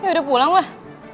ya udah pulang lah